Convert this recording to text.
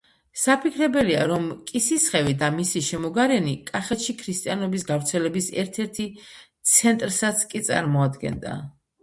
საფიქრებელია, რომ კისისხევი და მისი შემოგარენი კახეთში ქრისტიანობის გავრცელების ერთ-ერთი ცენტრსაც კი წარმოადგენდა.